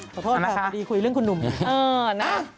ขอโทษนะครับดีคุยเรื่องคุณหนุ่มเออนะ